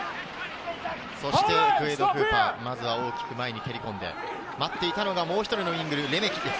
そしてクウェイド・クーパー、大きく前に蹴り込んで、待っていたのがもう１人のウイング、レメキです。